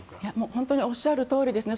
本当におっしゃるとおりですね。